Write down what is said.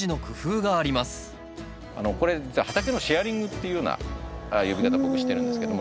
これ実は畑のシェアリングっていうような呼び方僕してるんですけども。